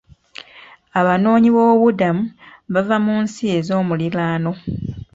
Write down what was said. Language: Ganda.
Abanoonyiboobubudamu bava mu nsi ezoomuliraano.